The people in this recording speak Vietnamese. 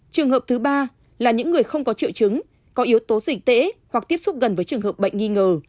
trường hợp thứ ba là những người không có triệu chứng có yếu tố dịch tễ hoặc tiếp xúc gần với trường hợp bệnh nghi ngờ